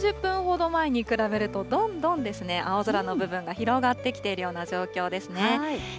３０分ほど前に比べると、どんどん青空の部分が広がってきているような状況ですね。